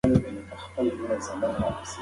ستا خبرې زما په زړه کې پاتې شوې.